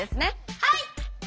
はい！